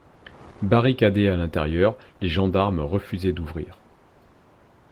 Barricadés à l'intérieur, les gendarmes refusaient d'ouvrir.